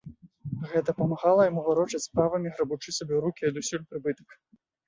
Гэта памагала яму варочаць справамі, грабучы сабе ў рукі адусюль прыбытак.